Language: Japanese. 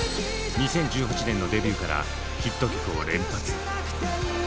２０１８年のデビューからヒット曲を連発。